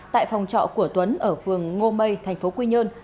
tại phòng trọ của tuấn ở phường ngô mây thành phố quy nhơn